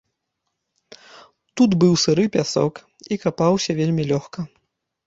Тут быў сыры пясок і капаўся вельмі лёгка.